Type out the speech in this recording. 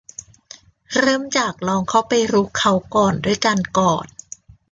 เริ่มจากลองเข้าไปรุกเขาก่อนด้วยการกอด